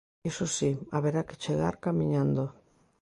Iso si, haberá que chegar camiñando.